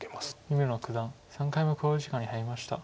三村九段３回目の考慮時間に入りました。